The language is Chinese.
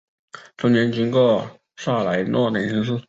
中间经过萨莱诺等城市。